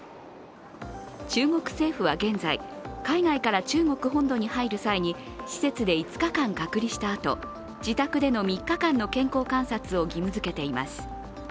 中国政府は現在、海外から中国本土に入る際に施設で５日間隔離したあと自宅での３日間の健康観察を義務づけています。